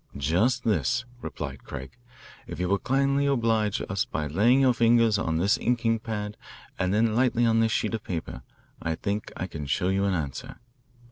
"Just this," replied Craig. "If you will kindly oblige us by laying your fingers on this inking pad and then lightly on this sheet of paper, I think I can show you an answer."